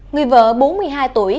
người vợ bốn mươi hai tuổi